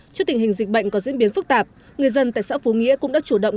trước tình hình dịch bệnh có diễn biến phức tạp người dân tại xã phú nghĩa cũng đã chủ động